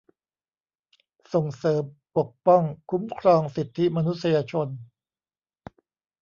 ส่งเสริม ปกป้อง คุ้มครองสิทธิมนุษยชน